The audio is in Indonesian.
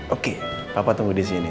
oke papa tunggu disini